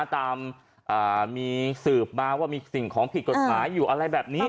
ตามมีสืบมาว่ามีสิ่งของผิดกฎหมายอยู่อะไรแบบนี้